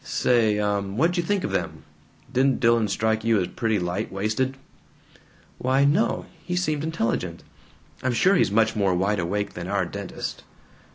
"Say, uh, what'd you think of them? Didn't Dillon strike you as pretty light waisted?" "Why no. He seemed intelligent. I'm sure he's much more wide awake than our dentist."